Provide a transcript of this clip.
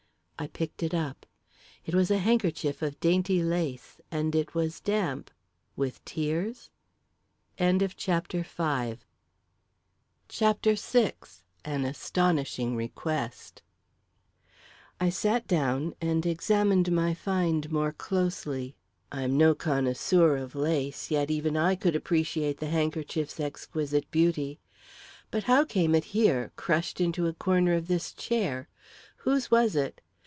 I picked it up. It was a handkerchief of dainty lace and it was damp with tears? CHAPTER VI An Astonishing Request I sat down again and examined my find more closely. I am no connoisseur of lace, yet even I could appreciate the handkerchief's exquisite beauty. But how came it here, crushed into a corner of this chair? Whose was it?